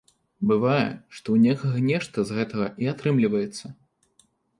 Бывае, што ў некага нешта з гэтага і атрымліваецца.